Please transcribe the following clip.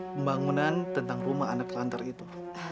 pembangunan tentang rumah anak lantar itu